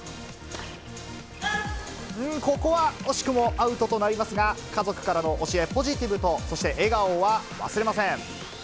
ここは惜しくもアウトとなりますが、家族からの教え、ポジティブとそして笑顔は忘れません。